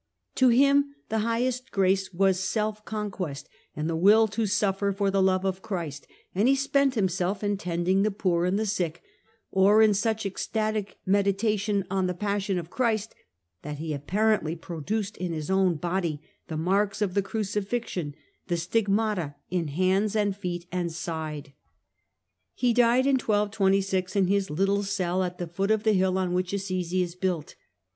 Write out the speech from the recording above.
" To him the highest grace was self conquest, and the will to suffer for the love of Christ, and he spent himself in tending the poor and the sick, or in such ecstatic meditation on the Passion of Christ that he apparently produced in his own body the marks of the Crucifixion, the "stigmata," in hands and feet and side. He died in 1226 in his little cell at the foot of the hill on which Assisi is built.